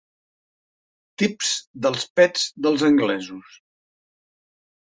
Tips dels pets dels anglesos.